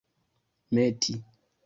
meti